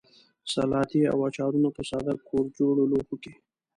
سلاتې او اچارونه په ساده کورجوړو لوښیو کې.